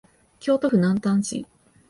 京都府南丹市